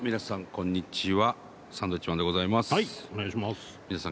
こんにちは。